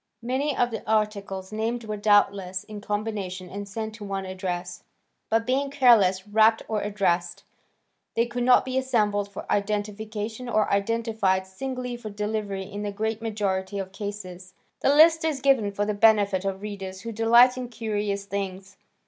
Many of the articles named were doubtless in combinations and sent to one address, but being carelessly wrapped or addressed, they could not be assembled for identification or identified singly for delivery in the great majority of cases. The list is given for the benefit of readers who delight in curious things.